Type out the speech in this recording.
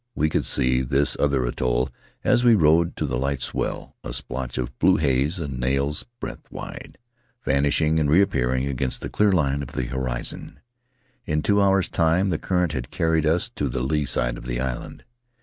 We could see this other atoll as we rode to the fight swell, a splotch of blue haze a nail's breadth wide, vanishing and reappearing against the clear line of the horizon. In two hours' time the current had carried us to the lee side of the island.